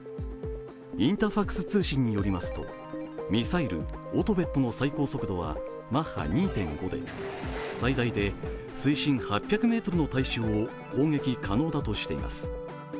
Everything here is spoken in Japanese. インタファクス通信によりますとミサイル・オトベットの最高速度はマッハ２．５で、最大で水深８００ｍの対象を攻撃可能だとしています。